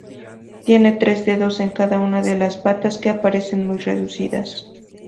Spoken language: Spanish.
Tiene tres dedos en cada una de las patas, que aparecen muy reducidas.